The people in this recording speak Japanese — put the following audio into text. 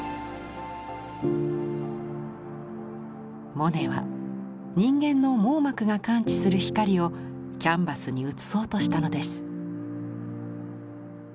モネは人間の網膜が感知する「光」をキャンバスに写そうとしたのです。